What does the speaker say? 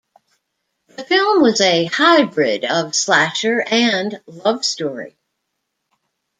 The film was a hybrid of slasher and love story.